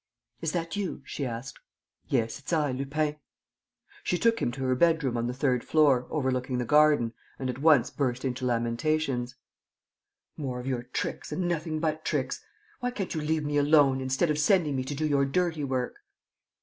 "Is that you?" she asked. "Yes, it's I, Lupin." She took him to her bedroom on the third floor, overlooking the garden, and at once burst into lamentations: "More of your tricks and nothing but tricks! Why can't you leave me alone, instead of sending me to do your dirty work?"